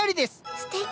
すてき！